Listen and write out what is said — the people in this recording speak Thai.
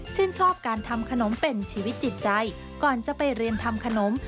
ชอบการทำขนมเป็นชีวิตจิตใจก่อนจะไปเรียนทำขนม